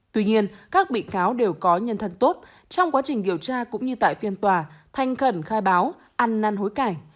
tuy nhiên các bị cáo đều có nhân thân tốt trong quá trình điều tra cũng như tại phiên tòa thanh khẩn khai báo ăn năn hối cải